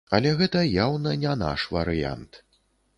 Але гэта яўна не наш варыянт.